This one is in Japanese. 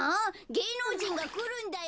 げいのうじんがくるんだよ！？